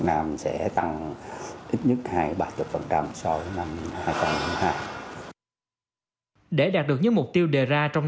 nam sẽ tăng ít nhất hai ba chục phần trăm so với năm hai nghìn hai mươi hai để đạt được những mục tiêu đề ra trong